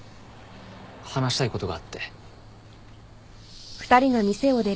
話したいことがあって。